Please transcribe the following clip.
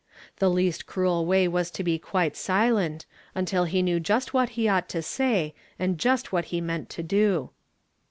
The least cruel way Avas to be quite silent, until he knew just what he ought to say, and just what he meant to do.